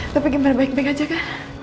tapi gimana baik baik aja kak